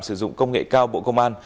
sử dụng công nghệ cao bộ công an